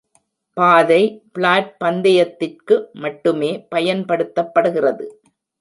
பாதை பிளாட் பந்தயத்திற்கு மட்டுமே பயன்படுத்தப்படுகிறது.